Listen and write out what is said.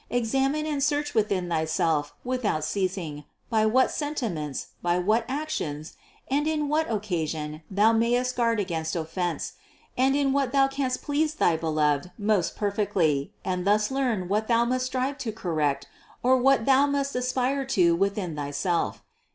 Examine and search within thyself without ceasing, by what senti ments, by what actions, and in what occasion thou may est guard against offense and in what thou canst please thy Beloved most perfectly, and thus learn what thou must strive to correct or what thou must aspire to with in thyself.